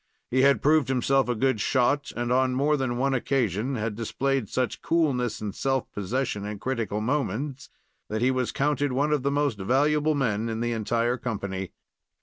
He had proved himself a good shot, and, on more than one occasion, had displayed such coolness and self possession in critical moments, that he was counted one of the most valuable men in the entire company.